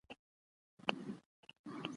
خاوره د افغانستان طبعي ثروت دی.